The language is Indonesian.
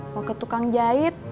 mau ke tukang jahit